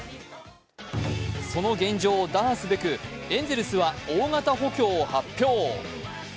その現状を打破すべく、エンゼルスは大型補強を発表。